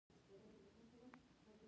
نرخ د کیفیت او عرضه دواړو سره تړاو لري.